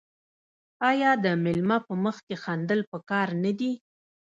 آیا د میلمه په مخ کې خندل پکار نه دي؟